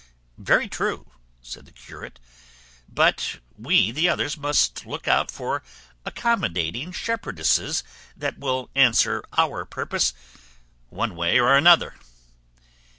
"Very true," said the curate; "but we the others must look about for accommodating shepherdesses that will answer our purpose one way or another."